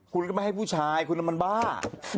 คุณก็ไม่ให้ผู้ชายคุณมันบ้า